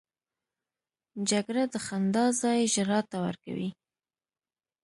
جګړه د خندا ځای ژړا ته ورکوي